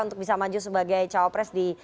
untuk bisa maju sebagai cawa pres di